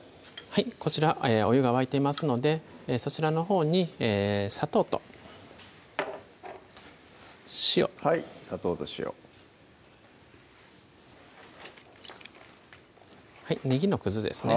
こちらお湯が沸いていますのでそちらのほうに砂糖と塩はい砂糖と塩ねぎのくずですね